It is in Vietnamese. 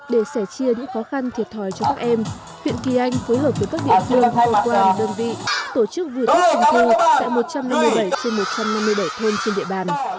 để sẻ chia những khó khăn thiệt thòi cho các em huyện kỳ anh phối hợp với các địa phương hội quản đơn vị tổ chức vừa thức trồng thơ tại một trăm năm mươi bảy trên một trăm năm mươi bảy thôn trên địa bàn